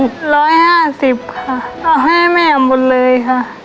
๑๕๐คนค่ะตลอดให้แม่หมดเลยค่ะ